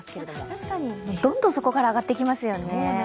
どんどんそこから上がってきますよね。